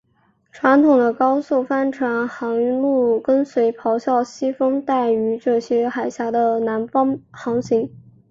传统的高速帆船航路跟随咆哮西风带于这些海岬的南方航行。